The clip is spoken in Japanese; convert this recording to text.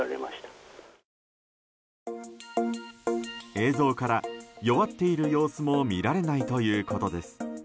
映像から弱っている様子も見られないということです。